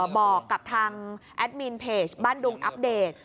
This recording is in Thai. บอกกับทางแอดมินเพจบ้านดุงอัปเดต